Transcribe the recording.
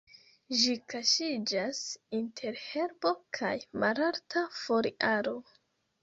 Ĝi kaŝiĝas inter herbo kaj malalta foliaro.